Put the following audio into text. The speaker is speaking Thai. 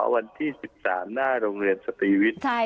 วันที่๑๓หน้าโรงเรียนสตรีวิทย์